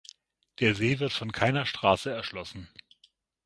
Der See wird von keiner Straße erschlossen.